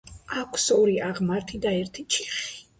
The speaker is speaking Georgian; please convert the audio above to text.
აქვს ორი აღმართი და ერთი ჩიხი.